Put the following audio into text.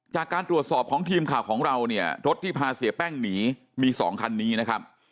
จากการตรวจสอบของทีมข่าวของเราเนี่ยรถที่พาเสียแป้งหนีมี๒คันนี้นะครับ